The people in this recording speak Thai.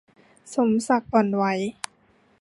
สมศักดิ์ อ่อนไหว